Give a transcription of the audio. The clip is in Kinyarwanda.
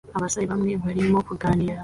Abasore bamwe barimo kuganira